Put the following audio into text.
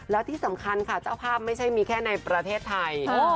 แล้วที่สำคัญค่ะเจ้าภาพไม่ใช่มีแค่ในประเทศไทย